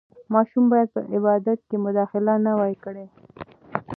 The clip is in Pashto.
ماشوم باید په عبادت کې مداخله نه وای کړې.